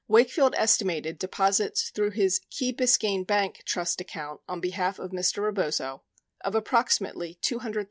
Wakefield estimated deposits through his Key Biscayne Bank trust account on behalf of Mr. Rebozo of approximately $200, OOO.